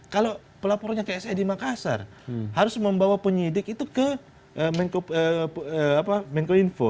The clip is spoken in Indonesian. kalau pelapornya kayak saya di makassar harus membawa penyidik itu ke menko info